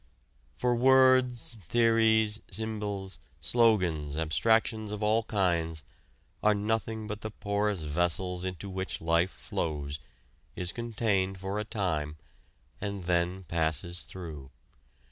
For words, theories, symbols, slogans, abstractions of all kinds are nothing but the porous vessels into which life flows, is contained for a time, and then passes through.